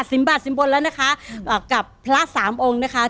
บาทสินบนแล้วนะคะกับพระสามองค์นะคะ